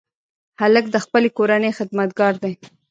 هلک د خپلې کورنۍ خدمتګار دی.